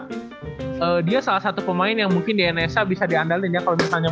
hai allah ngen confidence niga beranjak indonesia di vanity lain until adstop